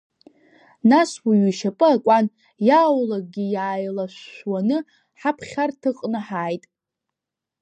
Нас уаҩы ишьапы акуан, иааулакгьы иааилашәшәуаны ҳаԥхьарҭаҟны ҳааит.